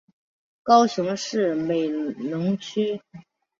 高雄市美浓区